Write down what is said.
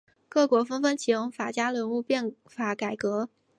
各国纷纷启用法家人物变法改革。